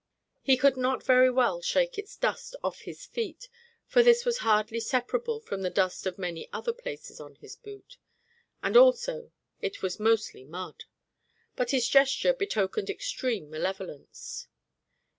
He could not very well shake its dust off his feet, for this was hardly separable from the dust of many other places on his boots, and also it was mostly mud. But his gesture betokened extreme malevolence.